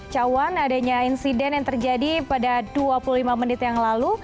cawan adanya insiden yang terjadi pada dua puluh lima menit yang lalu